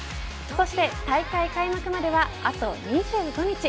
そして大会開幕まではあと２５日。